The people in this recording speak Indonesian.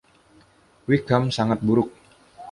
Wickham sangat buruk!